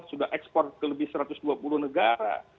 sudah ekspor ke lebih satu ratus dua puluh negara